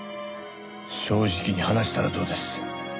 正直に話したらどうです？